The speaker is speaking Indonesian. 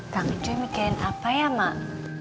kek nyuyudin mikirin apa ya mak